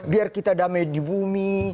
biar kita damai di bumi